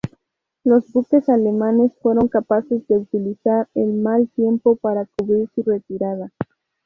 Los buques alemanes, fueron capaces de utilizar el mal tiempo para cubrir su retirada.